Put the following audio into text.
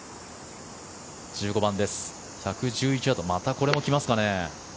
１５番です、１１１ヤードまたこれも来ますかね。